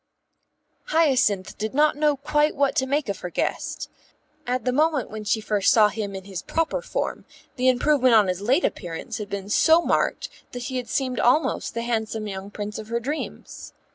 Hyacinth did not know quite what to make of her guest. At the moment when she first saw him in his proper form the improvement on his late appearance had been so marked that he had seemed almost the handsome young Prince of her dreams.